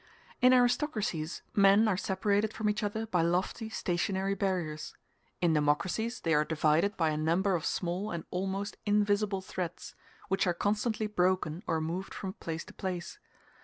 In aristocracies men are separated from each other by lofty stationary barriers; in democracies they are divided by a number of small and almost invisible threads, which are constantly broken or moved from place to place.